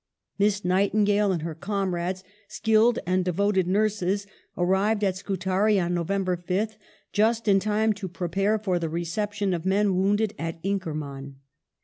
Miss Nightingale and her comrades, skilled and de voted nurses, arrived at Scutari on November 5th, just in time to prepare for the reception of the men wounded at Inkerman.